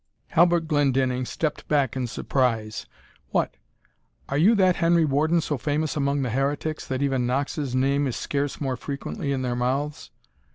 Halbert Glendinning stepped back in surprise. "What! are you that Henry Warden so famous among the heretics, that even Knox's name is scarce more frequently in their mouths?